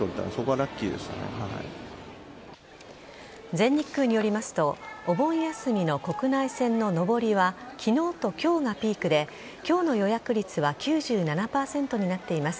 全日空によりますとお盆休みの国内線の上りは昨日と今日がピークで今日の予約率は９７％になっています。